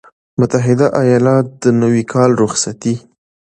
متحده ایالات - د نوي کال رخصتي